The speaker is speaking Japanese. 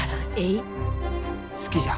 好きじゃ。